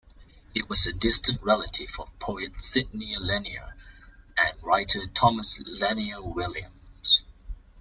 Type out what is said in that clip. He was a distant relative of poet Sidney Lanier and writer Thomas Lanier Williams.